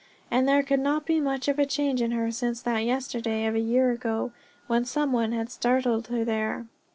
And there could not be much of a change in her since that yesterday of a year ago, when some one had startled her there.